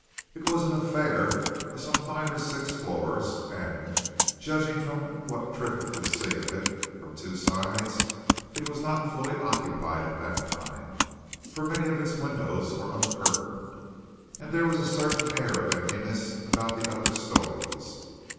It was an affair of some five or six floors, and judging from what Triffitt could see of it from two sides, it was not fully occupied at that time, for many of its windows were uncurtained, and there was a certain air of emptiness about the upper storeys.